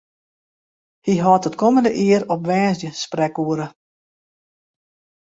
Hy hâldt it kommende jier op woansdei sprekoere.